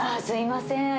すいません。